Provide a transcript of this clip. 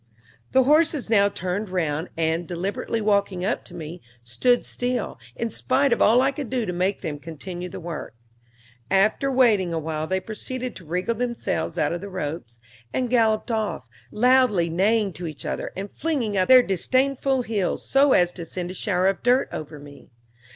The horses now turned round, and, deliberately walking up to me, stood still, in spite of all I could do to make them continue the work. After waiting a while they proceeded to wriggle themselves out of the ropes, and galloped off, loudly neighing to each other, and flinging up their disdainful heels so as to send a shower of dirt over me.